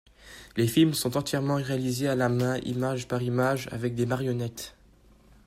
Les films sont entièrement réalisés à la main, image par image, avec des marionnettes.